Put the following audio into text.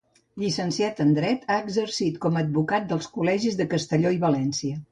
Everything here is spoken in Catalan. Llicenciat en dret, ha exercit com a advocat dels Col·legis de Castelló i València.